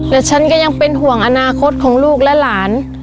และฉันก็ยังเป็นห่วงอนาคตของลูกและหลาน